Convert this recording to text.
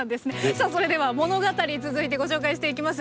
さあそれでは物語続いてご紹介していきます。